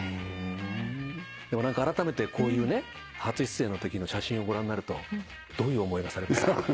あらためてこういうね初出演のときの写真をご覧になるとどういう思いがされますか？